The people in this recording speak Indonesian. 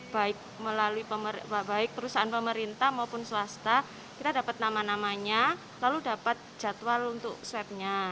baik perusahaan pemerintah maupun swasta kita dapat nama namanya lalu dapat jadwal untuk swab nya